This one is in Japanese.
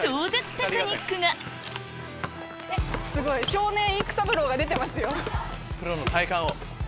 少年育三郎が出てますよ。